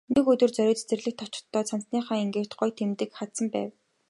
Нэг өдөр Зориг цэцэрлэгт очихдоо цамцныхаа энгэрт гоё тэмдэг хадсан байв.